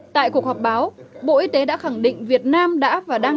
tại cuộc họp báo bộ y tế đã khẳng định việt nam đã và đang đáp ứng tốt với các bệnh nhân